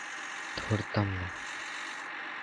Wales মধ্য দক্ষিণ great ব্রিটেনের পশ্চিম দিকে অবস্থিত।